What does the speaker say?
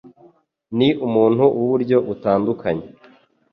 Ni umuntu wuburyo butandukanye